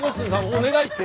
お願いって？